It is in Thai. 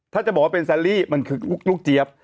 ถ้าจะบอกว่าเป็นแซลลี่มันคือลูกเจี๊ยบ